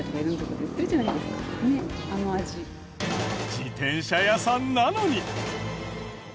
自転車屋さんなのに。